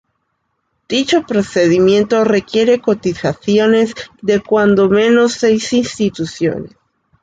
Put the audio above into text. Dicho procedimiento requiere cotizaciones de cuando menos seis instituciones.